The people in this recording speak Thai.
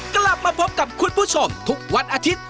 กลับมาพบกับคุณผู้ชมทุกวันอาทิตย์